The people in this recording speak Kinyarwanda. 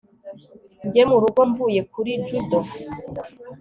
njye murugo mvuye kuri judo